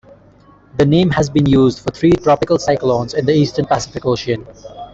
The name has been used for three tropical cyclones in the Eastern Pacific Ocean.